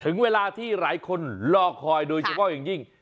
ถึงเวลาที่หลายคนรอคอยโดยเฉพาะอย่างยิ่ง